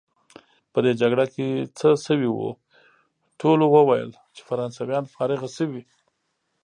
په دې جګړه کې څه شوي وو؟ ټولو ویل چې فرانسویان فارغه شوي.